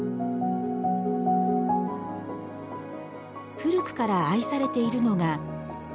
古くから愛されているのが麻。